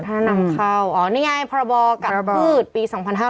ถ้านำเข้านี่ไงพระบอกับพืชปี๒๕๐๗นะคะ